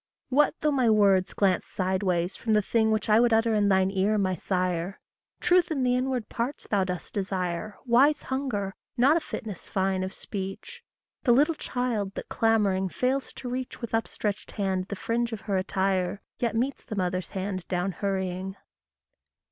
WHAT though my words glance sideways from the thing Which I would utter in thine ear, my sire! Truth in the inward parts thou dost desire Wise hunger, not a fitness fine of speech: The little child that clamouring fails to reach With upstretched hand the fringe of her attire, Yet meets the mother's hand down hurrying.